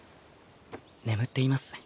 眠っています。